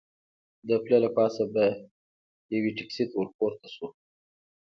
د پله له پاسه به یوې ټکسي ته ور پورته شو.